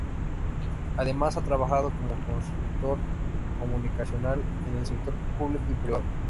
Además, ha trabajado como consultor comunicacional en el sector público y privado.